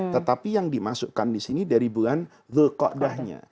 tetapi yang dimasukkan disini dari bulan zul qadahnya